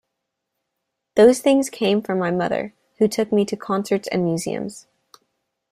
Those things came from my mother, who took me to concerts and museums.